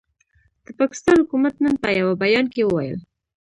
د پاکستان حکومت نن په یوه بیان کې وویل،